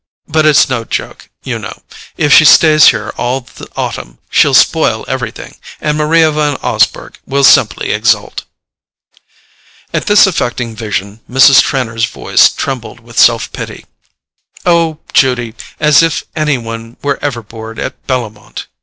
But it's no joke, you know—if she stays here all the autumn she'll spoil everything, and Maria Van Osburgh will simply exult." At this affecting vision Mrs. Trenor's voice trembled with self pity. "Oh, Judy—as if any one were ever bored at Bellomont!"